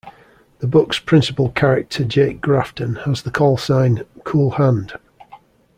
The book's principal character Jake Grafton has the call sign "Cool Hand".